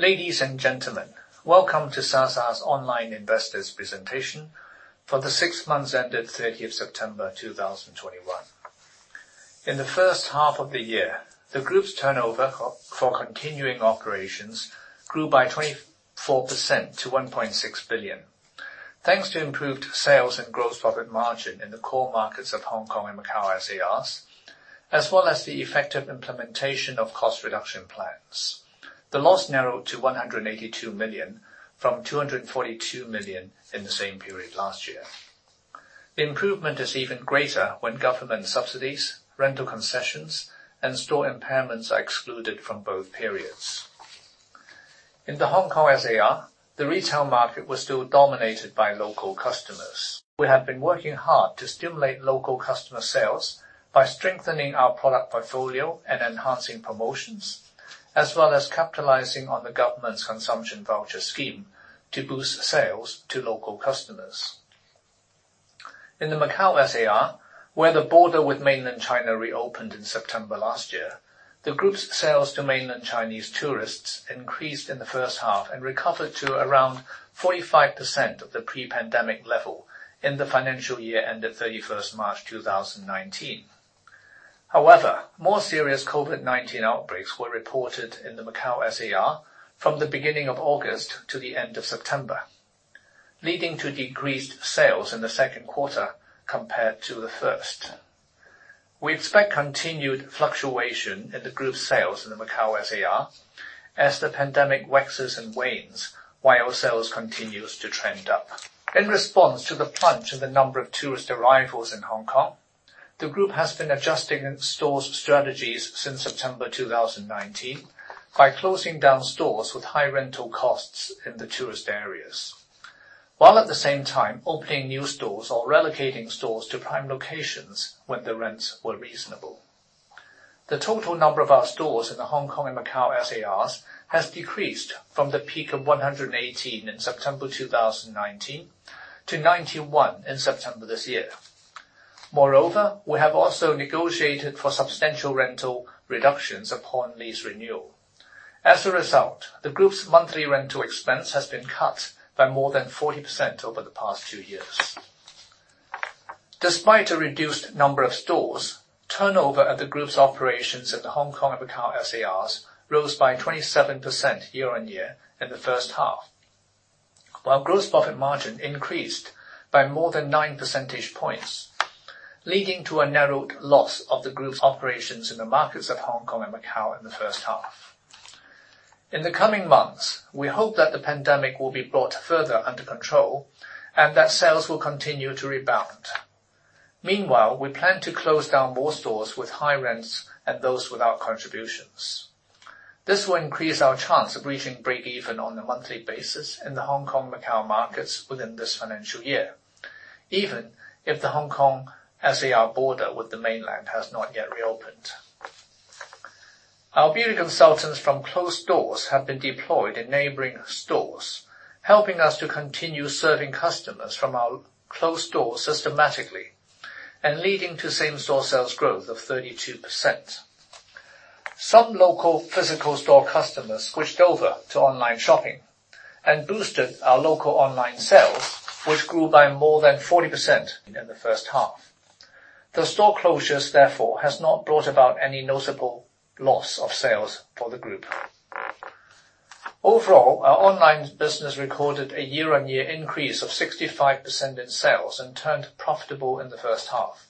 Ladies and gentlemen, welcome to Sa Sa's online investors presentation for the six months ended 30 September 2021. In the first half of the year, the group's turnover for continuing operations grew by 24% to 1.6 billion. Thanks to improved sales and gross profit margin in the core markets of Hong Kong and Macau SAR, as well as the effective implementation of cost reduction plans. The loss narrowed to 182 million-242 million in the same period last year. The improvement is even greater when government subsidies, rental concessions, and store impairments are excluded from both periods. In the Hong Kong SAR, the retail market was still dominated by local customers. We have been working hard to stimulate local customer sales by strengthening our product portfolio and enhancing promotions, as well as capitalizing on the government's Consumption Voucher Scheme to boost sales to local customers. In the Macau SAR, where the border with Mainland China reopened in September last year, the group's sales to Mainland Chinese tourists increased in the first half and recovered to around 45% of the pre-pandemic level in the financial year ended 31st March 2019. However, more serious COVID-19 outbreaks were reported in the Macau SAR from the beginning of August to the end of September, leading to decreased sales in the second quarter compared to the first. We expect continued fluctuation in the group's sales in the Macau SAR as the pandemic waxes and wanes while sales continues to trend up. In response to the plunge in the number of tourist arrivals in Hong Kong, the group has been adjusting its store strategies since September 2019 by closing down stores with high rental costs in the tourist areas, while at the same time opening new stores or relocating stores to prime locations when the rents were reasonable. The total number of our stores in the Hong Kong and Macau SARs has decreased from the peak of 118 in September 2019 to 91 in September this year. Moreover, we have also negotiated for substantial rental reductions upon lease renewal. As a result, the group's monthly rental expense has been cut by more than 40% over the past two years. Despite a reduced number of stores, turnover at the group's operations in the Hong Kong and Macau SARs rose by 27% year-on-year in the first half. While gross profit margin increased by more than 9 percentage points, leading to a narrowed loss of the group's operations in the markets of Hong Kong and Macau in the first half. In the coming months, we hope that the pandemic will be brought further under control and that sales will continue to rebound. Meanwhile, we plan to close down more stores with high rents and those without contributions. This will increase our chance of reaching break-even on a monthly basis in the Hong Kong, Macau markets within this financial year, even if the Hong Kong SAR border with the Mainland has not yet reopened. Our beauty consultants from closed stores have been deployed in neighboring stores, helping us to continue serving customers from our closed stores systematically and leading to same-store sales growth of 32%. Some local physical store customers switched over to online shopping and boosted our local online sales, which grew by more than 40% in the first half. The store closures, therefore, has not brought about any noticeable loss of sales for the group. Overall, our online business recorded a year-on-year increase of 65% in sales and turned profitable in the first half.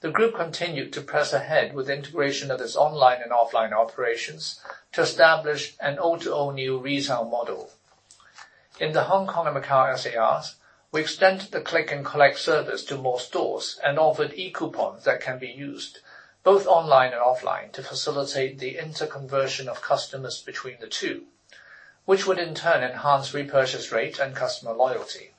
The group continued to press ahead with integration of its online and offline operations to establish an O2O New Retail model. In the Hong Kong and Macau SARs, we extended the click and collect service to more stores and offered e-coupons that can be used both online and offline to facilitate the interconversion of customers between the two, which would in turn enhance repurchase rate and customer loyalty.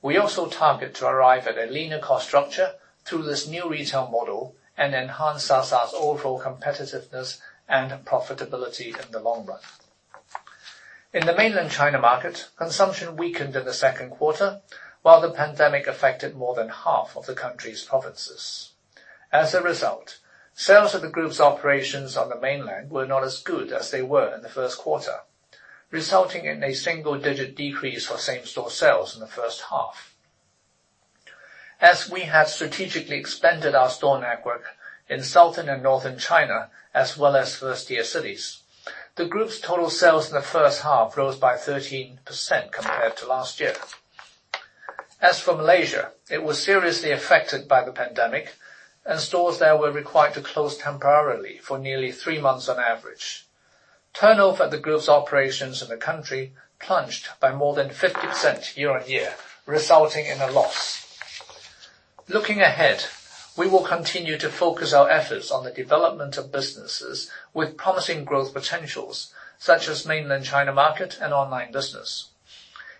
We also target to arrive at a leaner cost structure through this New Retail model and enhance Sa Sa's overall competitiveness and profitability in the long run. In the Mainland China market, consumption weakened in the second quarter while the pandemic affected more than half of the country's provinces. As a result, sales of the group's operations on the Mainland were not as good as they were in the first quarter, resulting in a single-digit decrease for same-store sales in the first half. As we have strategically expanded our store network in southern and northern China as well as first-tier cities, the group's total sales in the first half rose by 13% compared to last year. As for Malaysia, it was seriously affected by the pandemic, and stores there were required to close temporarily for nearly three months on average. Turnover at the group's operations in the country plunged by more than 50% year-on-year, resulting in a loss. Looking ahead, we will continue to focus our efforts on the development of businesses with promising growth potentials, such as Mainland China market and online business.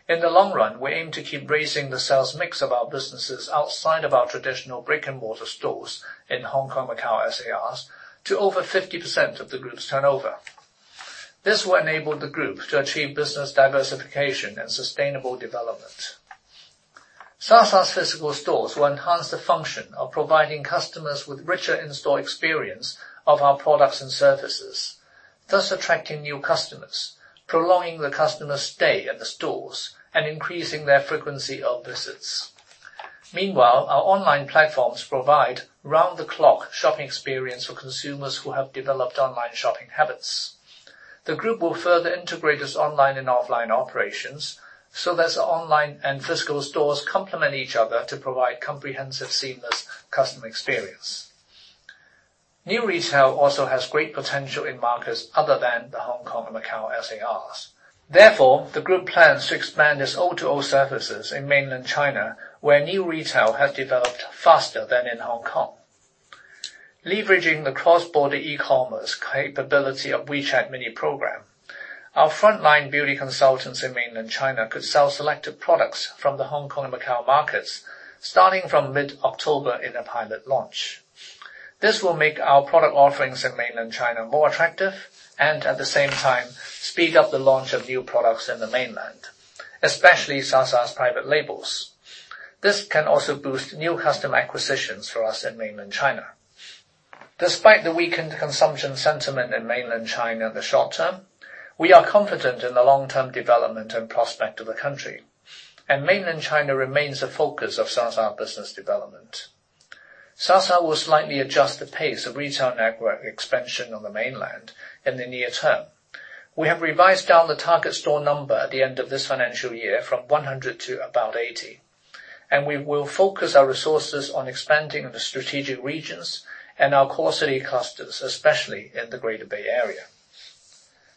In the long run, we aim to keep raising the sales mix of our businesses outside of our traditional brick-and-mortar stores in Hong Kong, Macau SAR to over 50% of the group's turnover. This will enable the group to achieve business diversification and sustainable development. Sa Sa's physical stores will enhance the function of providing customers with richer in-store experience of our products and services, thus attracting new customers, prolonging the customer stay at the stores, and increasing their frequency of visits. Meanwhile, our online platforms provide round-the-clock shopping experience for consumers who have developed online shopping habits. The group will further integrate its online and offline operations, so that online and physical stores complement each other to provide comprehensive, seamless customer experience. New Retail also has great potential in markets other than the Hong Kong and Macau SARs. Therefore, the group plans to expand its O2O services in Mainland China, where New Retail has developed faster than in Hong Kong. Leveraging the cross-border e-commerce capability of WeChat Mini Program, our frontline beauty consultants in Mainland China could sell selected products from the Hong Kong and Macau markets, starting from mid-October in a pilot launch. This will make our product offerings in Mainland China more attractive and, at the same time, speed up the launch of new products in the Mainland, especially Sa Sa's private labels. This can also boost new customer acquisitions for us in Mainland China. Despite the weakened consumption sentiment in Mainland China in the short term, we are confident in the long-term development and prospect of the country. Mainland China remains the focus of Sa Sa business development. Sa Sa will slightly adjust the pace of retail network expansion on the Mainland in the near term. We have revised down the target store number at the end of this financial year from 100 to about 80, and we will focus our resources on expanding the strategic regions and our core city clusters, especially in the Greater Bay Area.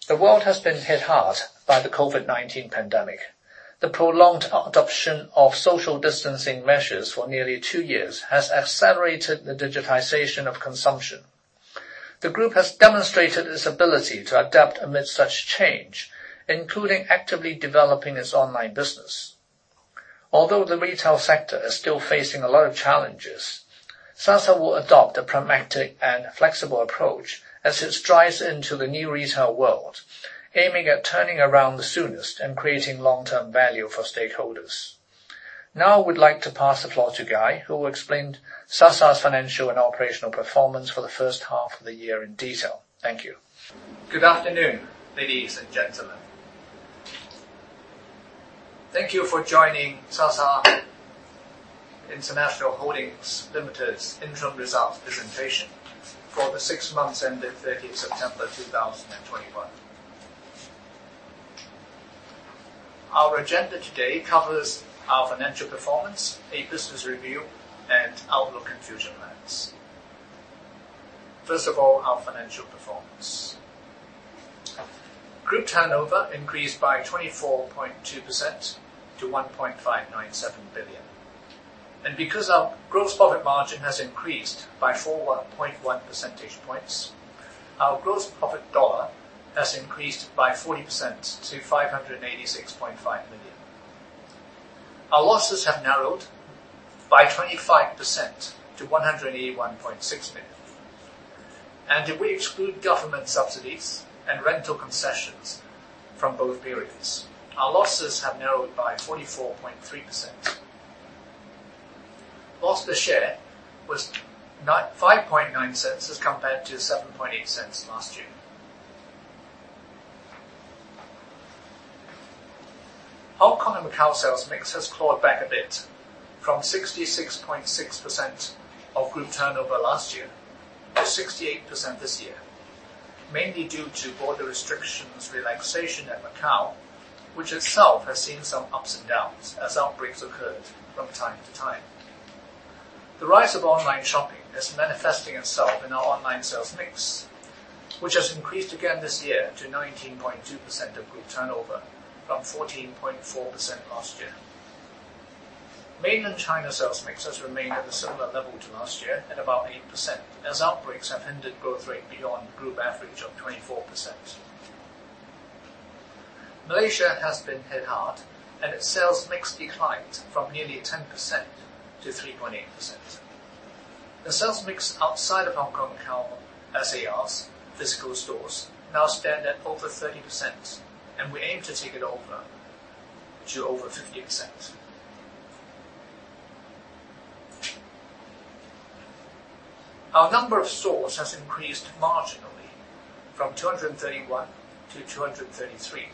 The world has been hit hard by the COVID-19 pandemic. The prolonged adoption of social distancing measures for nearly two years has accelerated the digitization of consumption. The group has demonstrated its ability to adapt amid such change, including actively developing its online business. Although the retail sector is still facing a lot of challenges, Sa Sa will adopt a pragmatic and flexible approach as it strives into the New Retail world, aiming at turning around the soonest and creating long-term value for stakeholders. Now, I would like to pass the floor to Guy, who will explain Sa Sa's financial and operational performance for the first half of the year in detail. Thank you. Good afternoon, ladies and gentlemen. Thank you for joining Sa Sa International Holdings Limited's interim results presentation for the six months ended 30 September 2021. Our agenda today covers our financial performance, a business review, and outlook and future plans. First of all, our financial performance. Group turnover increased by 24.2% to 1.597 billion. Because our gross profit margin has increased by 4.1 percentage points, our gross profit dollar has increased by 40% to 586.5 million. Our losses have narrowed by 25% to 181.6 million. If we exclude government subsidies and rental concessions from both periods, our losses have narrowed by 44.3%. Loss per share was 0.059 as compared to 0.078 last year. Our Hong Kong and Macau sales mix has clawed back a bit from 66.6% of group turnover last year to 68% this year, mainly due to border restrictions relaxation at Macau, which itself has seen some ups and downs as outbreaks occurred from time to time. The rise of online shopping is manifesting itself in our online sales mix, which has increased again this year to 19.2% of group turnover from 14.4% last year. Mainland China sales mix has remained at a similar level to last year at about 8%, as outbreaks have hindered growth rate beyond group average of 24%. Malaysia has been hit hard, and its sales mix declined from nearly 10%-3.8%. The sales mix outside of Hong Kong and Macau, as they are, physical stores now stand at over 30%, and we aim to take it over to over 50%. Our number of stores has increased marginally from 231-233.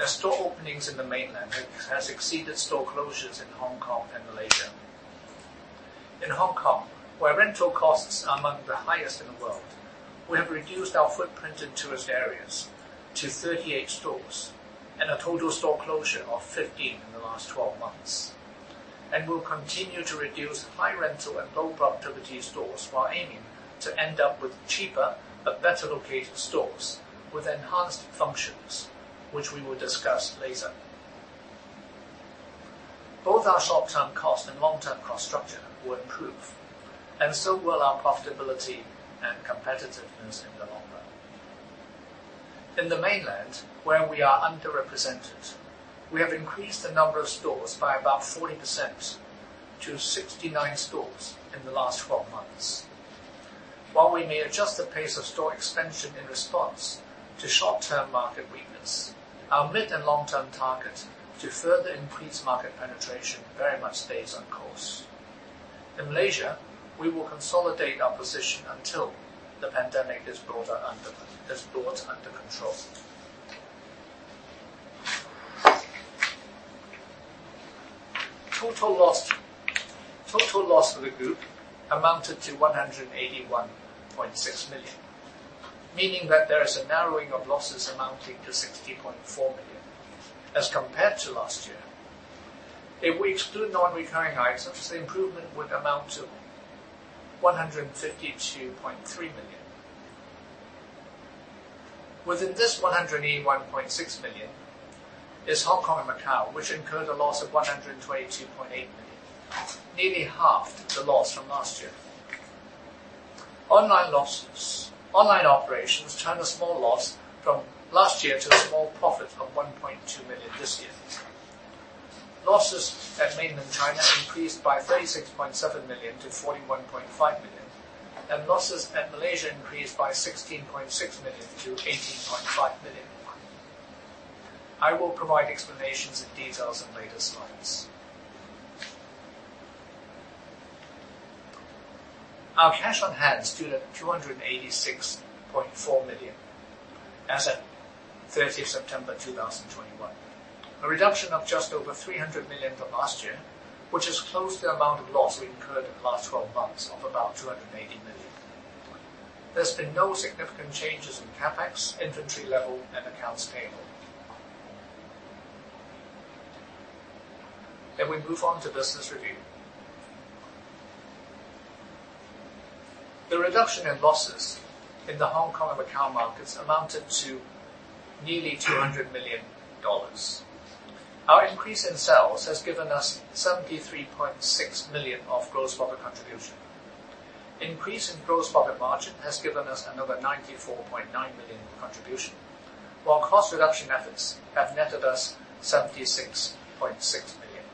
Our store openings in the Mainland has exceeded store closures in Hong Kong and Malaysia. In Hong Kong, where rental costs are among the highest in the world, we have reduced our footprint in tourist areas to 38 stores and a total store closure of 15 in the last 12 months. We'll continue to reduce high rental and low productivity stores while aiming to end up with cheaper but better located stores with enhanced functions, which we will discuss later. Both our short-term cost and long-term cost structure will improve, and so will our profitability and competitiveness in the long run. In the Mainland, where we are underrepresented, we have increased the number of stores by about 40%-69 stores in the last 12 months. While we may adjust the pace of store expansion in response to short-term market weakness, our mid and long-term target to further increase market penetration very much stays on course. In Malaysia, we will consolidate our position until the pandemic is brought under control. Total loss of the group amounted to 181.6 million, meaning that there is a narrowing of losses amounting to 60.4 million as compared to last year. If we exclude non-recurring items, such as the improvement would amount to 152.3 million. Within this 181.6 million is Hong Kong and Macau, which incurred a loss of 122.8 million, nearly half the loss from last year. Online operations turned a small loss from last year to a small profit of 1.2 million this year. Losses at Mainland China increased by 36.7 million-41.5 million. Losses at Malaysia increased by 16.6 million-18.5 million. I will provide explanations and details in later slides. Our cash on hand stood at 286.4 million as at 30th September 2021. A reduction of just over 300 million from last year, which is close to the amount of loss we incurred in the last 12 months of about 280 million. There's been no significant changes in CapEx, inventory level, and accounts payable. We move on to business review. The reduction in losses in the Hong Kong and Macau markets amounted to nearly 200 million dollars. Our increase in sales has given us 73.6 million of gross profit contribution. Increase in gross profit margin has given us another 94.9 million in contribution. While cost reduction efforts have netted us HKD 76.6 million.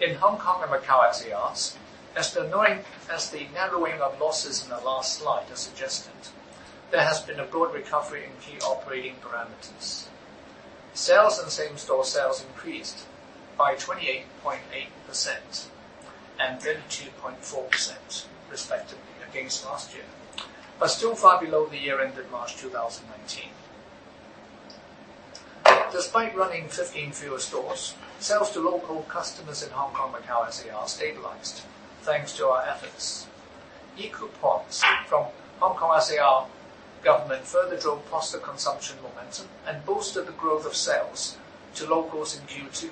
In Hong Kong and Macau SARs, as the narrowing of losses in the last slide has suggested, there has been a broad recovery in key operating parameters. Sales and same-store sales increased by 28.8% and 32.4% respectively against last year, but still far below the year-ended March 2019. Despite running 15 fewer stores, sales to local customers in Hong Kong and Macau SAR stabilized, thanks to our efforts. e-coupons from Hong Kong SAR government further drove positive consumption momentum and boosted the growth of sales to locals in Q2.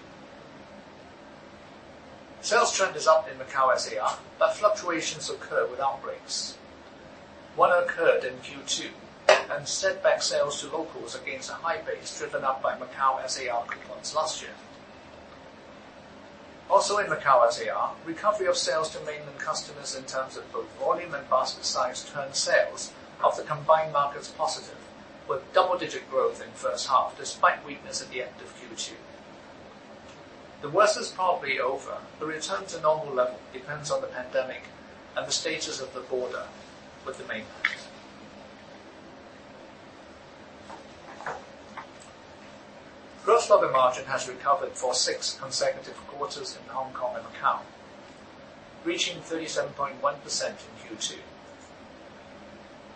Sales trend is up in Macau SAR, but fluctuations occur with outbreaks. One occurred in Q2 and set back sales to locals against a high base driven up by Macau SAR coupons last year. Also, in Macau SAR, recovery of sales to Mainland customers in terms of both volume and basket size turned sales of the combined markets positive, with double-digit growth in first half despite weakness at the end of Q2. The worst is probably over. The return to normal level depends on the pandemic and the status of the border with the Mainland. Gross profit margin has recovered for six consecutive quarters in Hong Kong and Macau, reaching 37.1% in Q2.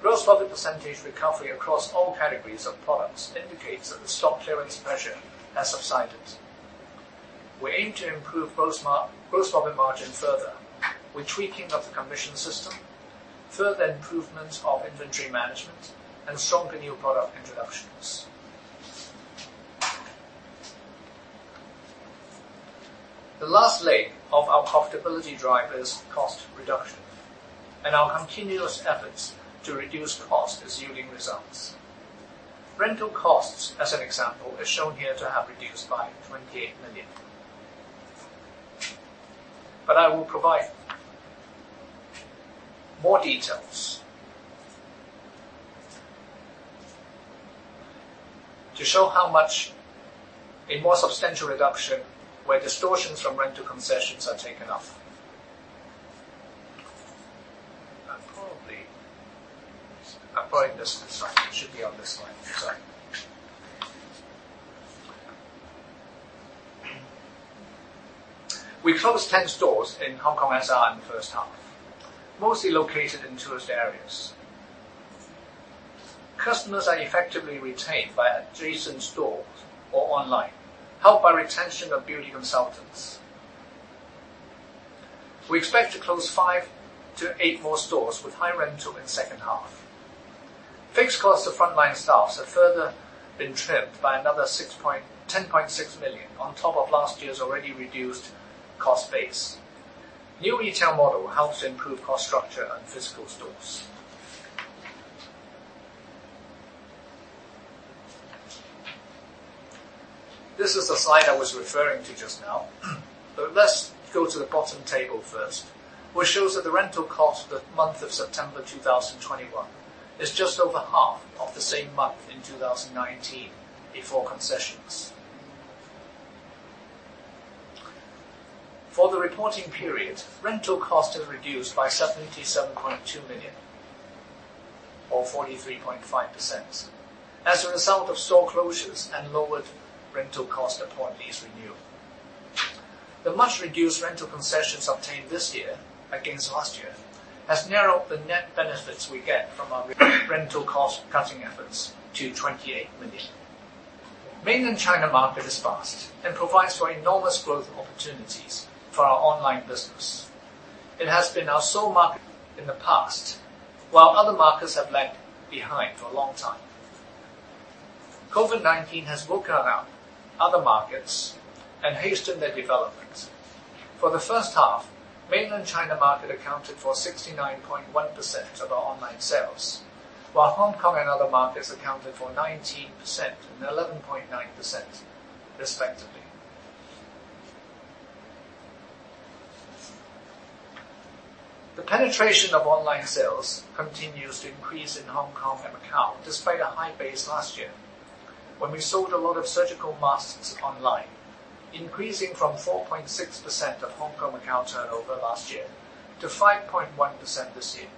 Gross profit percentage recovery across all categories of products indicates that the stock clearance pressure has subsided. We aim to improve gross profit margin further with tweaking of the commission system, further improvements of inventory management, and stronger new product introductions. The last leg of our profitability drive is cost reduction and our continuous efforts to reduce cost is yielding results. Rental costs, as an example, is shown here to have reduced by 28 million. I will provide more details to show how much a more substantial reduction where distortions from rental concessions are taken off. Probably, according to this slide, it should be on this slide. Sorry. We closed 10 stores in Hong Kong SAR in the first half, mostly located in tourist areas. Customers are effectively retained by adjacent stores or online, helped by retention of beauty consultants. We expect to close five-eight more stores with high rental in second half. Fixed costs of frontline staffs have further been trimmed by another 10.6 million on top of last year's already reduced cost base. New Retail model helps improve cost structure at physical stores. This is the slide I was referring to just now, but let's go to the bottom table first. Which shows that the rental cost for the month of September 2021 is just over half of the same month in 2019 before concessions. For the reporting period, rental cost is reduced by 77.2 million or 43.5% as a result of store closures and lowered rental cost upon lease renewal. The much-reduced rental concessions obtained this year against last year has narrowed the net benefits we get from our rental cost-cutting efforts to 28 million. The Mainland China market is vast and provides for enormous growth opportunities for our online business. It has been our sole market in the past, while other markets have lagged behind for a long time. COVID-19 has woken up other markets and hastened their development. For the first half, Mainland China market accounted for 69.1% of our online sales, while Hong Kong and other markets accounted for 19% and 11.9% respectively. The penetration of online sales continues to increase in Hong Kong and Macau despite a high base last year when we sold a lot of surgical masks online, increasing from 4.6% of Hong Kong and Macau turnover last year to 5.1% this year.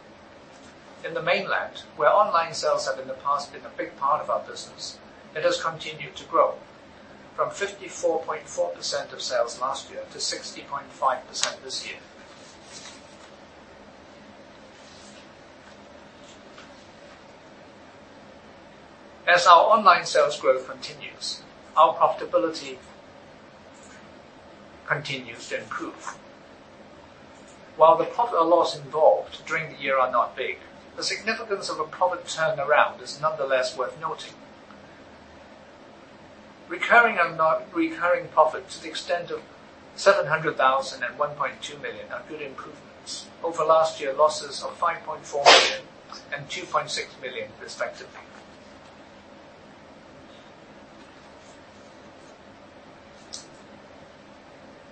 In the Mainland, where online sales have in the past been a big part of our business, it has continued to grow from 54.4% of sales last year to 60.5% this year. As our online sales growth continues, our profitability continues to improve. While the profit or loss involved during the year are not big, the significance of a profit turnaround is nonetheless worth noting. Recurring and non-recurring profits to the extent of 700,000 and 1.2 million are good improvements over last year losses of 5.4 million and 2.6 million, respectively.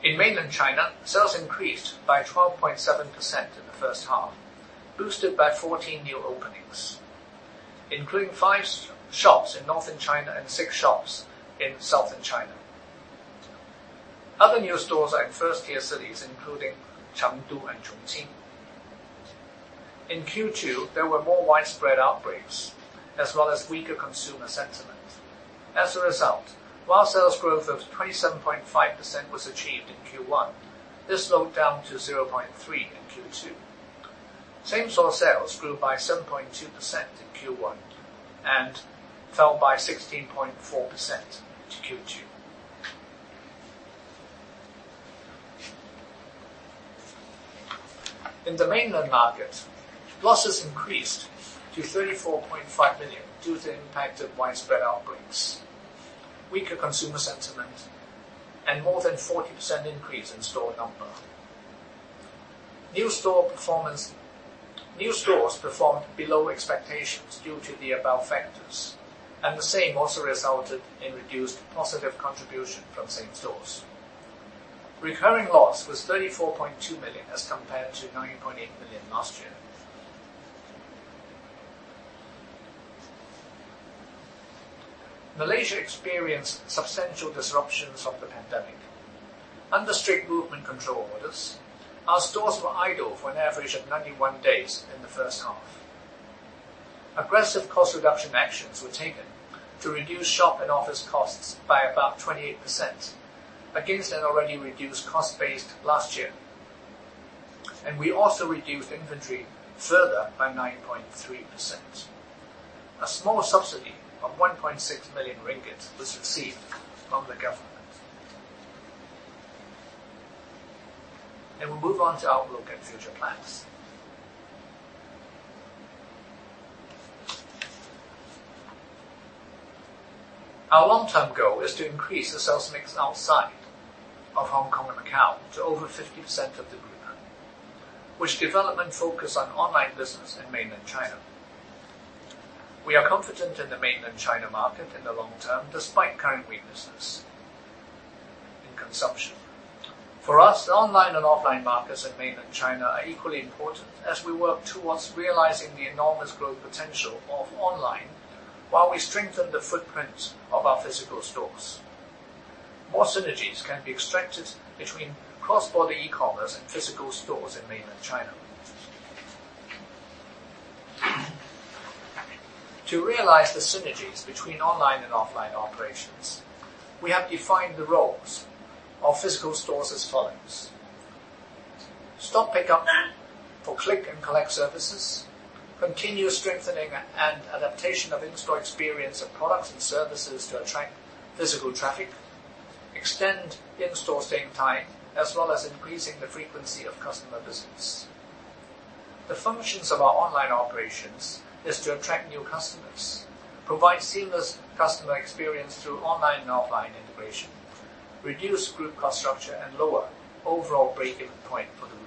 In Mainland China, sales increased by 12.7% in the first half, boosted by 14 new openings, including five shops in Northern China and six shops in Southern China. Other new stores are in first-tier cities, including Chengdu and Chongqing. In Q2, there were more widespread outbreaks as well as weaker consumer sentiment. As a result, while sales growth of 27.5% was achieved in Q1, this slowed down to 0.3% in Q2. Same-store sales grew by 7.2% in Q1 and fell by 16.4% in Q2. In the Mainland market, losses increased to 34.5 million due to the impact of widespread outbreaks, weaker consumer sentiment, and more than 40% increase in store number. New stores performed below expectations due to the above factors, and the same also resulted in reduced positive contribution from same stores. Recurring loss was 34.2 million as compared to 9.8 million last year. Malaysia experienced substantial disruptions from the pandemic. Under strict Movement Control Orders, our stores were idle for an average of 91 days in the first half. Aggressive cost reduction actions were taken to reduce shop and office costs by about 28% against an already reduced cost base last year. We also reduced inventory further by 9.3%. A small subsidy of 1.6 million ringgit was received from the government. We move on to outlook and future plans. Our long-term goal is to increase the sales mix outside of Hong Kong and Macau to over 50% of the group, with development focus on online business in Mainland China. We are confident in the Mainland China market in the long term despite current weaknesses in consumption. For us, online and offline markets in Mainland China are equally important as we work towards realizing the enormous growth potential of online while we strengthen the footprint of our physical stores. More synergies can be extracted between cross-border e-commerce and physical stores in Mainland China. To realize the synergies between online and offline operations, we have defined the roles of physical stores as follows, stock pickup for click and collect services, continuous strengthening and adaptation of in-store experience of products and services to attract physical traffic, extend in-store staying time, as well as increasing the frequency of customer visits. The functions of our online operations is to attract new customers, provide seamless customer experience through online and offline integration, reduce group cost structure and lower overall break-even point for the group.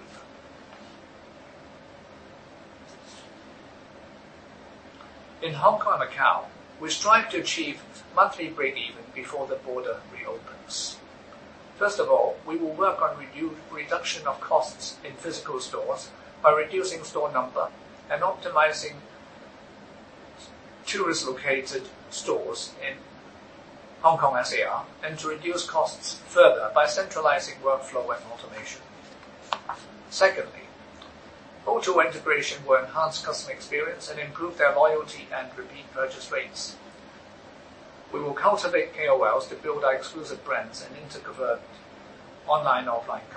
In Hong Kong, Macau, we strive to achieve monthly breakeven before the border reopens. First of all, we will work on reduction of costs in physical stores by reducing store number and optimizing tourist-located stores in Hong Kong SAR, and to reduce costs further by centralizing workflow and automation. Secondly, O2O integration will enhance customer experience and improve their loyalty and repeat purchase rates. We will cultivate KOLs to build our exclusive brands and integrate online, offline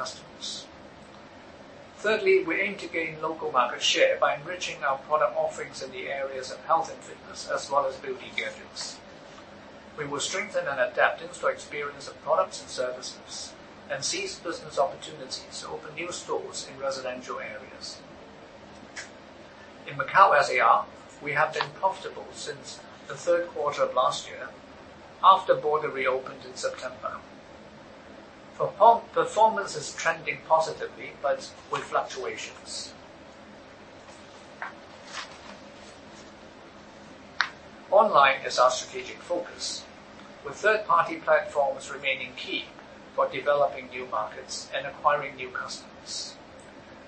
customers. Thirdly, we aim to gain local market share by enriching our product offerings in the areas of health and fitness, as well as beauty gadgets. We will strengthen and adapt in-store experience of products and services and seize business opportunities to open new stores in residential areas. In Macau SAR, we have been profitable since the third quarter of last year after border reopened in September. Performance is trending positively, but with fluctuations. Online is our strategic focus, with third-party platforms remaining key for developing new markets and acquiring new customers.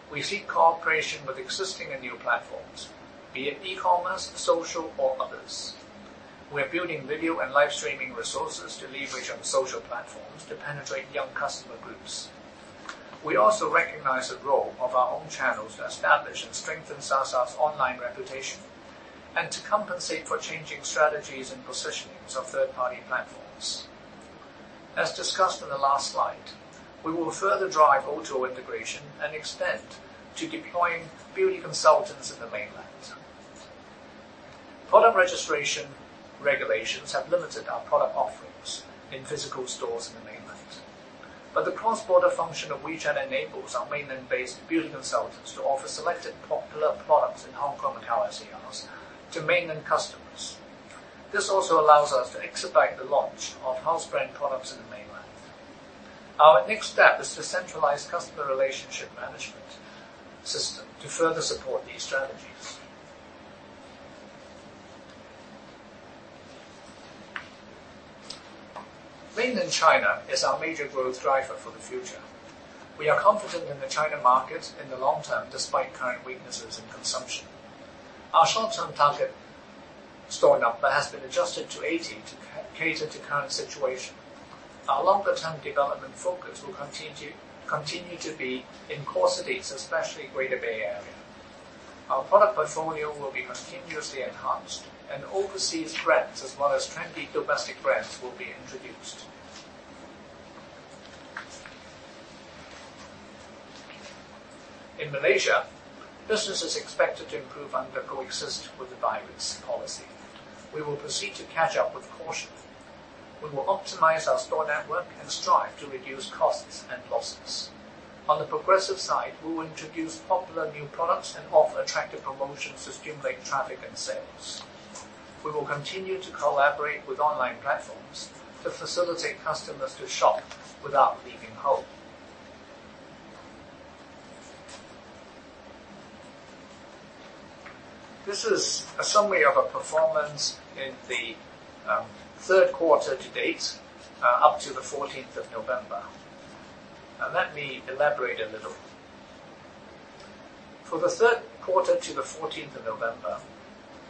We seek cooperation with existing and new platforms, be it e-commerce, social, or others. We are building video and live streaming resources to leverage on social platforms to penetrate young customer groups. We also recognize the role of our own channels to establish and strengthen Sa Sa's online reputation and to compensate for changing strategies and positionings of third-party platforms. As discussed in the last slide, we will further drive auto integration and extend to deploying beauty consultants in the Mainland. Product registration regulations have limited our product offerings in physical stores in the Mainland. The cross-border function of WeChat enables our Mainland-based beauty consultants to offer selected popular products in Hong Kong and Macau SARs to Mainland customers. This also allows us to expedite the launch of house brand products in the Mainland. Our next step is to centralize customer relationship management system to further support these strategies. Mainland China is our major growth driver for the future. We are confident in the China market in the long term, despite current weaknesses in consumption. Our short-term target store number has been adjusted to 80 to cater to current situation. Our longer-term development focus will continue to be in core cities, especially Greater Bay Area. Our product portfolio will be continuously enhanced, and overseas brands as well as trendy domestic brands will be introduced. In Malaysia, business is expected to improve under coexist with the virus policy. We will proceed to catch up with caution. We will optimize our store network and strive to reduce costs and losses. On the progressive side, we will introduce popular new products and offer attractive promotions to stimulate traffic and sales. We will continue to collaborate with online platforms to facilitate customers to shop without leaving home. This is a summary of our performance in the third quarter to date, up to the 14th of November. Let me elaborate a little. For the third quarter to the 14th of November,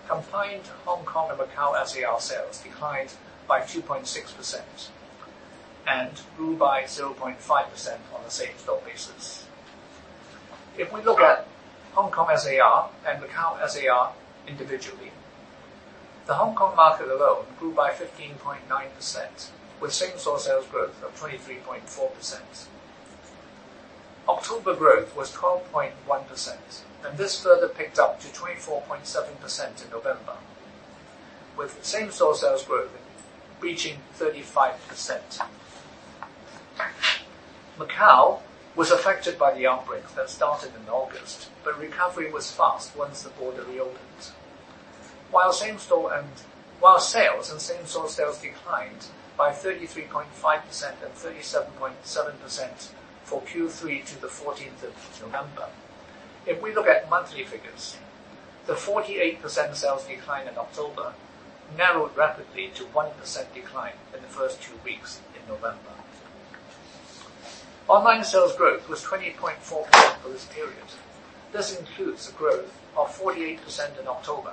combined Hong Kong and Macau SAR sales declined by 2.6% and grew by 0.5% on a same-store basis. If we look at Hong Kong SAR and Macau SAR individually, the Hong Kong market alone grew by 15.9%, with same-store sales growth of 23.4%. October growth was 12.1%, and this further picked up to 24.7% in November, with same-store sales growth reaching 35%. Macau was affected by the outbreak that started in August, but recovery was fast once the border reopened. While same-store and While sales and same-store sales declined by 33.5% and 37.7% for Q3 to the 14th of November, if we look at monthly figures, the 48% sales decline in October narrowed rapidly to 1% decline in the first two weeks in November. Online sales growth was 20.4% for this period. This includes a growth of 48% in October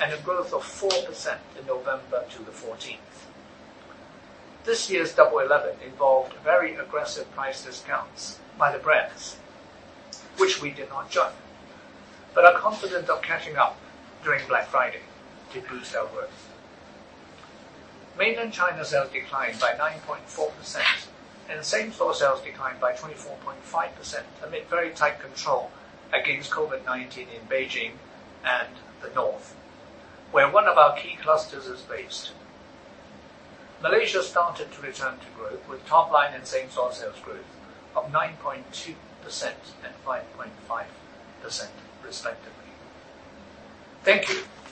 and a growth of 4% in November to the 14th. This year's Double Eleven involved very aggressive price discounts by the brands, which we did not join. We are confident of catching up during Black Friday to boost our growth. Mainland China sales declined by 9.4%, and same-store sales declined by 24.5% amid very tight control against COVID-19 in Beijing and the North, where one of our key clusters is based. Malaysia started to return to growth, with top line and same-store sales growth of 9.2% and 5.5% respectively. Thank you.